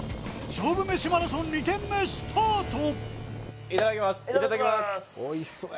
勝負メシマラソン２軒目スタート